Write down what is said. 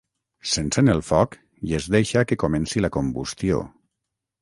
S'encén el foc i es deixa que comenci la combustió.